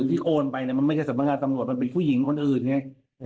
ที่โอนไปมันไม่ใช่สำนักงานตำรวจมันเป็นผู้หญิงคนอื่นไง